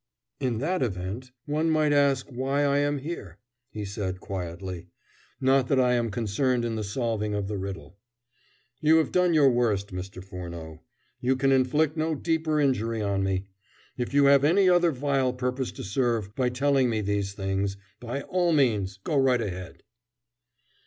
"In that event, one might ask why I am here," he said quietly. "Not that I am concerned in the solving of the riddle. You have done your worst, Mr. Furneaux. You can inflict no deeper injury on me. If you have any other vile purpose to serve by telling me these things, by all means go right ahead."